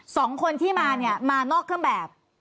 สองคนที่มาเนี่ยมานอกเครื่องแบบ